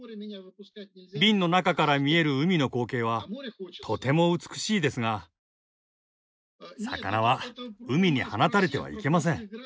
瓶の中から見える海の光景はとても美しいですが魚は海に放たれてはいけません。